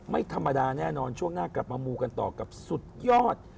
ไม่ธรรมดาแน่นอนช่วงหน้ากลับมามูกันต่อกับสุดยอด